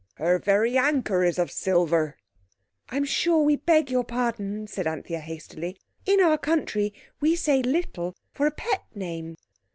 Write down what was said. Her very anchor is of silver." "I'm sure we beg your pardon," said Anthea hastily. "In our country we say 'little' for a pet name.